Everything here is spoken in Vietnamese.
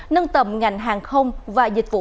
nâng tầm ngành hàng không và dịch vụ